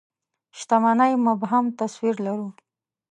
شتمنۍ مبهم تصوير لرو.